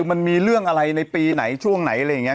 มันมีเรื่องอะไรในปีไหนช่วงไหนอะไรอย่างนี้